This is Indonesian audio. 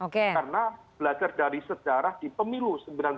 karena belajar dari sejarah di pemilu seribu sembilan ratus lima puluh lima